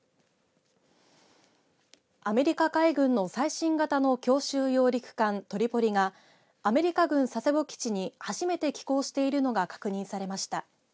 アメリカ海軍の最新型の強襲揚陸艦トリポリがアメリカ軍佐世保基地に初めて寄港しているのが確認されました。